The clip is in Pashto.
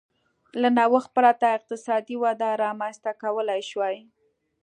له نوښت پرته اقتصادي وده رامنځته کولای شوای.